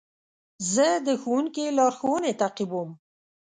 زه د ښوونکي لارښوونې تعقیبوم.